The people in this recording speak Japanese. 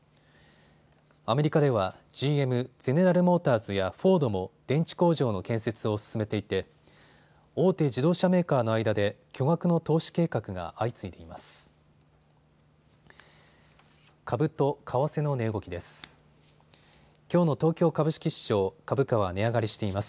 アメリカではＧＭ・ゼネラル・モーターズやフォードも電池工場の建設を進めていて大手自動車メーカーの間で巨額の投資計画が相次いでいます。